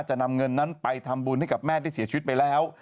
จะนำเงินนั้นไปทำบุญให้กับแม่ที่เสียชีวิตไปแล้ว